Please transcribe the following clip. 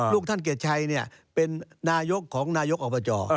ลูกท่านเกียจชัยเนี่ยเป็นนายกของนายกออกประจอ